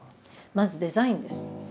まずデザインです。